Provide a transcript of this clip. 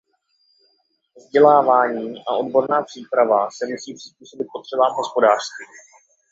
Vzdělávání a odborná příprava se musí přizpůsobit potřebám hospodářství.